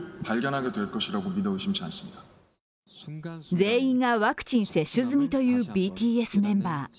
全員がワクチン接種済みというＢＴＳメンバー。